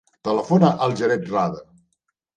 Telefona al Jared Rada.